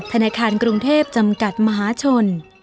ธนาคารกรุงเทพจำกัดมหาชน